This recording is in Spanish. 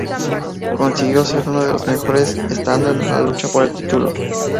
Consiguió ser uno de los mejores estando en la lucha por el título.